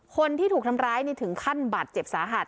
คนที่ถูกทำร้ายถึงขั้นบาดเจ็บสาหัส